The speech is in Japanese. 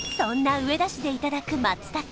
上田市でいただく松茸